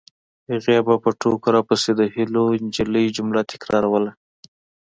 هغې به په ټوکو راپسې د هیلو نجلۍ جمله تکراروله